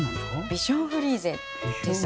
ビションフリーゼです。